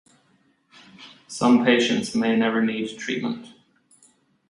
Some patients may never need treatment.